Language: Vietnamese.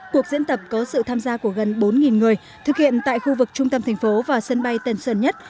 cuộc diễn tập có sự tham gia của gần bốn người thực hiện tại khu vực trung tâm thành phố và sân bay tân sơn nhất